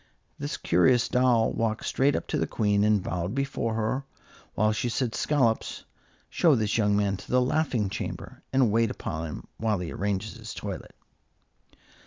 This curious doll walked straight up to the Queen and bowed before her, while she said, "Scollops, show this young man to the laughing chamber, and wait upon him while he arranges his toilet."